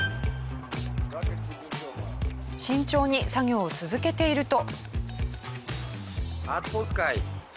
慎重に作業を続けていると。